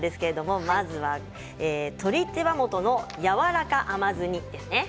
まずは鶏手羽元のやわらか甘酢煮ですね。